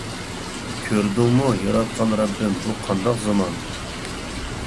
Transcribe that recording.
كۆردۈڭمۇ ياراتقان رەببىم، بۇ قانداق زامان.